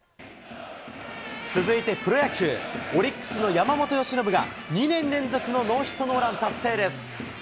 続いてプロ野球、オリックスの山本由伸が２年連続のノーヒットノーラン達成です。